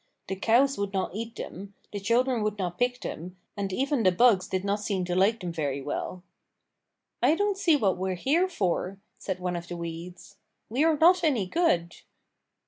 The cows would not eat them, the children would not pick them, and even the bugs did not seem to like them very well. "I don't see what we're here for," said one of the weeds. "We are not any good."